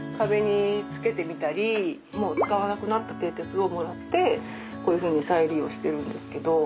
もう使わなくなった蹄鉄をもらってこういうふうに再利用してるんですけど。